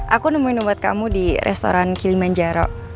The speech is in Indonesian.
aku nemuin obat kamu di restoran kilimanjaro